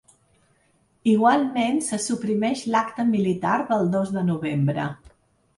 Igualment, se suprimeix l’acte militar del dos de novembre.